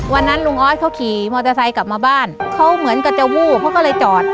วันนั้นลุงออสเขาขี่มอเตอร์ไซค์กลับมาบ้านเขาเหมือนกับจะวูบเขาก็เลยจอด